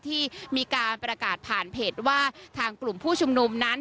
ที่มีการประกาศผ่านเพจว่าทางกลุ่มผู้ชุมนุมนั้น